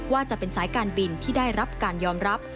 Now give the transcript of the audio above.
ว่าจะเป็นสายการบินที่ได้รับการยอมรับ